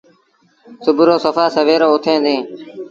سُڀو رو سڦآ سويرو اُٿيٚن ديٚݩ۔